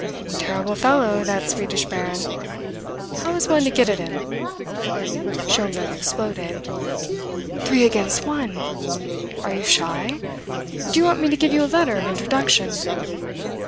"Terrible fellow, that Swedish baron! How is one to get at him?" Schomberg exploded. "Three against one! Are you shy? Do you want me to give you a letter of introduction?"